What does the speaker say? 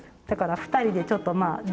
だから２人でちょっとまあ